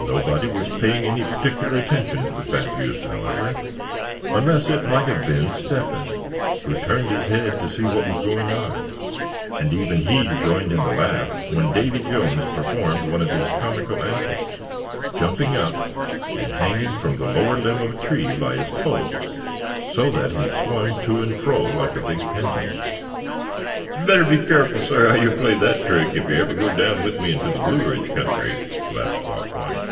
Nobody was paying any particular attention to the fat youth, however, unless it might have been Step hen, who turned his head to see what was going on; and even he joined in the laugh when Davy Jones performed one of his comical antics, jumping up, and hanging from the lower limb of a tree by his toes, so that he swung to and fro like a big pendulum. "Better be careful, suh, how you play that trick, if ever you go down with me into the Blue Ridge country," laughed Bob White.